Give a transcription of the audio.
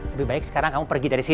lebih baik sekarang kamu pergi dari sini